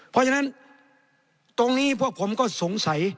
เพราะฉะนั้นตรงนี้พวกผมก็สงสัย